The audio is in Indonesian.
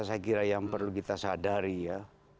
saya kira yang perlu kita sadari ya